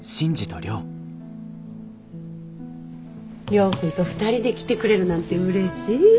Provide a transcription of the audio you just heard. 亮君と２人で来てくれるなんてうれしい。